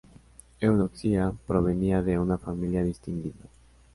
Eudoxia provenía de una familia distinguida.